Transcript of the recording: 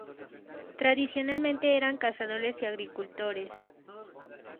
Tradicionalmente eran cazadores y agricultores.